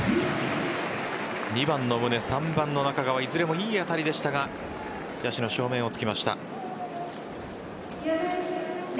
２番の宗、３番の中川いずれもいい当たりでしたが野手の正面を突きました。